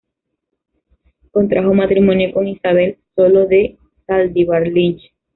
Contrajo matrimonio con Isabel Solo de Zaldívar Lynch.